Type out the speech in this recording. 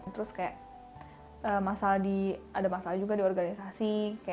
terus kayak ada masalah juga di organisasi